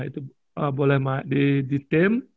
itu boleh di tim